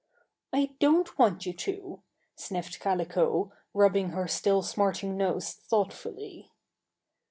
"I don't want you to," sniffed Calico, rubbing her still smarting nose thoughtfully.